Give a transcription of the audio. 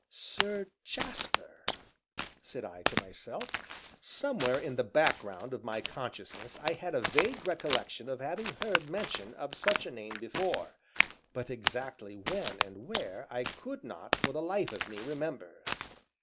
"Sir Jasper!" said I to myself. Somewhere in the background of my consciousness I had a vague recollection of having heard mention of such a name before, but exactly when and where I could not, for the life of me, remember.